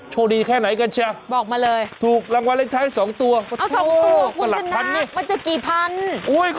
โชคดีแค่ไหนกันใช่มั้ย